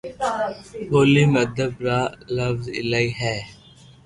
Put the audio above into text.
ٻولي ۾ ادب را لفظ ايلائي ھي